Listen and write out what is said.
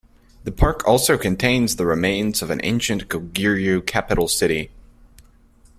The park also contains the remains of an ancient Goguryeo capital city.